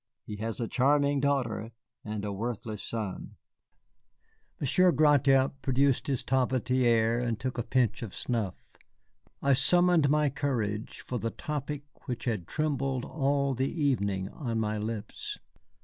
He has a charming daughter and a worthless son." Monsieur Gratiot produced his tabatière and took a pinch of snuff. I summoned my courage for the topic which had trembled all the evening on my lips.